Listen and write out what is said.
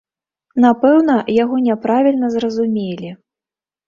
Напэўна, яго няправільна зразумелі.